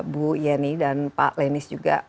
bu yeni dan pak lenis juga